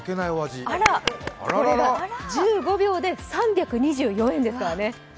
１５秒で３２４円ですからね。